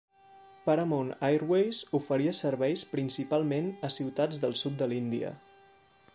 Paramount Airways oferia serveis principalment a ciutats del sud de l'Índia.